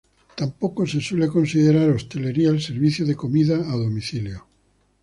Tampoco se suele considerar "hostelería" el servicio de comida a domicilio.